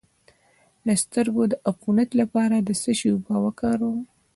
د سترګو د عفونت لپاره د څه شي اوبه وکاروم؟